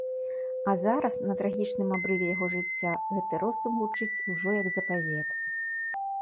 А зараз, на трагічным абрыве яго жыцця, гэты роздум гучыць ужо як запавет.